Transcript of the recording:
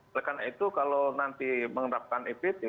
oleh karena itu kalau nanti menerapkan ebt